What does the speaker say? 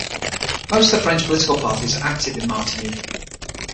Most of the French political parties are active in Martinique.